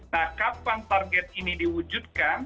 nah kapan target ini diwujudkan